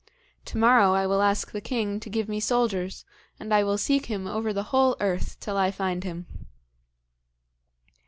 To morrow I will ask the king to give me soldiers, and I will seek him over the whole earth till I find him.'